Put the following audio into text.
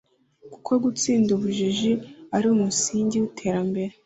kuko gutsinda ubujiji ari umusingi w’iterambere